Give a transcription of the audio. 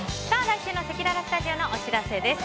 来週のせきららスタジオのお知らせです。